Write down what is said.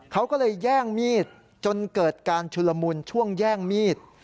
เขาก็เลยแย่งมีดจนเกิดการชุลมุนช่วงแย่งมีด